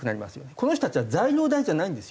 この人たちは材料代じゃないんですよ。